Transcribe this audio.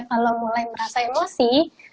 kalau mulai merasa emosi